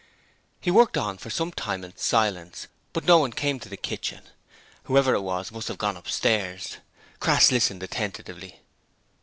He worked on for some time in silence, but no one came to the kitchen: whoever it was must have gone upstairs. Crass listened attentively.